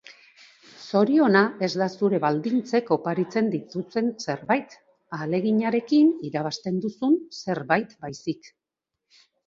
Zoriona ez da zure baldintzek oparitzen dizuten zerbait, ahaleginarekin irabazten duzun zerbait, baizik.